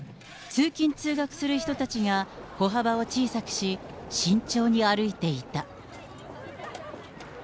通勤・通学する人たちが歩幅を小さくし、慎重に歩いていた。